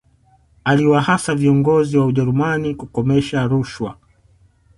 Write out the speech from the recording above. aliwahasa viongozi wa ujerumani kukomesha rushwa